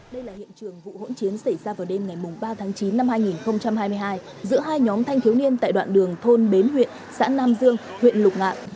đây là hiện trường vụ hỗn chiến xảy ra vào đêm ngày ba tháng chín năm hai nghìn hai mươi hai giữa hai nhóm thanh thiếu niên tại đoạn đường thôn bến huyện xã nam dương huyện lục ngạn